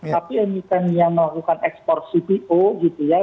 tapi emiten yang melakukan ekspor cpo gitu ya